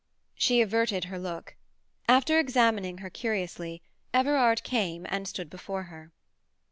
She averted her look. After examining her curiously, Everard came and stood before her.